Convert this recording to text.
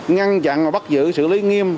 ngăn chặn và bắt giữ xử lý nghiêm